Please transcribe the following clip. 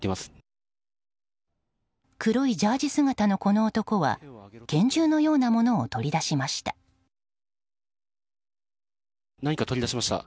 黒いジャージ姿のこの男は拳銃のようなものを取り出しました。